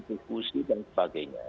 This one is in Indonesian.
dikusi dan sebagainya